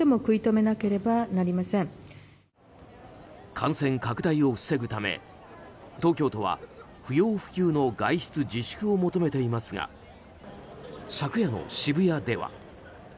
感染拡大を防ぐため東京都は不要不急の外出自粛を求めていますが昨夜の渋谷では。